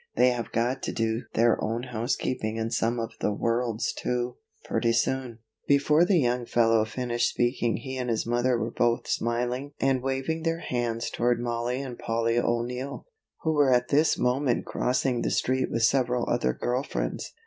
They have got to do their own housekeeping and some of the world's too, pretty soon." Before the young fellow finished speaking he and his mother were both smiling and waving their hands toward Mollie and Polly O'Neill, who were at this moment crossing the street with several other girl friends.